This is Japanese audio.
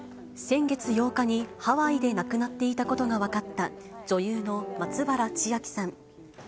先月８日に、ハワイで亡くなっていたことが分かった、女優の松原千明さん。